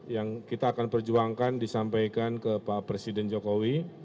yang kita akan perjuangkan disampaikan ke pak presiden jokowi